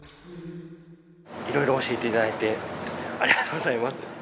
いろいろ教えていただいてありがとうございます。